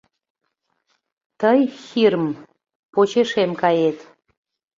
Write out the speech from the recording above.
— Тый, Хирм, почешем кает.